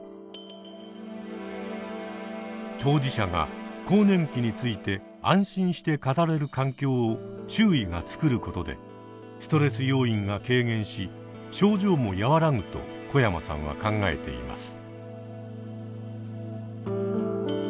当事者が更年期について安心して語れる環境を周囲がつくることでストレス要因が軽減し症状も和らぐと小山さんは考えています。